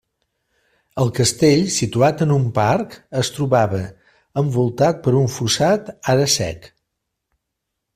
El castell, situat en un parc, es trobava envoltat per un fossat, ara sec.